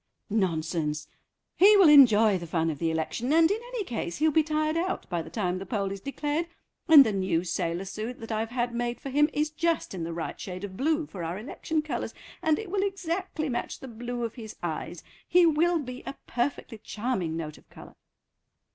"Nonsense. He will enjoy the fun of the election, and in any case he'll be tired out by the time the poll is declared, and the new sailor suit that I've had made for him is just in the right shade of blue for our election colours, and it will exactly match the blue of his eyes. He will be a perfectly charming note of colour."